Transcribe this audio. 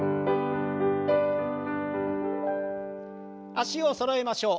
脚をそろえましょう。